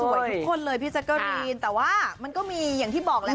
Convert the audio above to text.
สวยทุกคนเลยพี่จักรีนแต่ว่ามันก็มีอย่างที่บอกแหละ